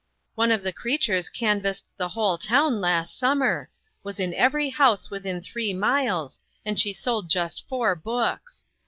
One of the creatures canvassed the whole town last summer; was in every house within three miles, and she sold just four books.